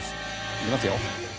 いきますよ。